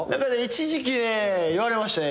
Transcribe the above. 一時期ね言われましたね。